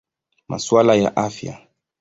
Masuala ya Afya.